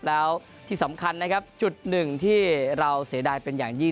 แล้วที่สำคัญนะครับจุดหนึ่งที่เราเสียดายเป็นอย่างยิ่ง